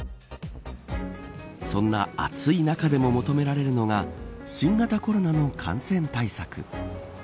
そんな暑い中でも求められるのが新型コロナの感染対策。